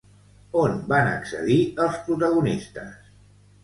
On van accedir els protagonistes?